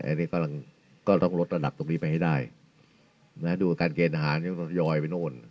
อันนี้กำลังก็ต้องลดระดับตรงนี้ไปให้ได้นะดูการเกณฑ์ทหารยังทยอยไปโน่น